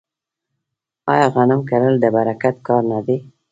آیا غنم کرل د برکت کار نه دی؟